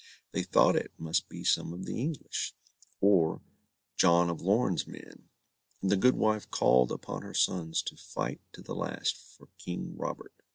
They thought it must be some of the English, or John of Lorn's men, and the good wife called upon her sons to fight to the last for King Robert.